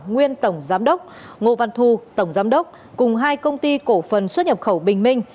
nguyên tổng giám đốc ngô văn thu tổng giám đốc cùng hai công ty cổ phần xuất nhập khẩu bình minh